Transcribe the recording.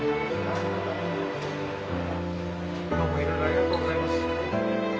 どうもいろいろありがとうございます。